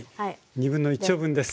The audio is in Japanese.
1/2丁分です。